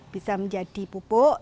bisa menjadi pupuk